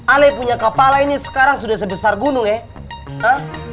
ale punya kepala ini sekarang sudah sebesar gunung ya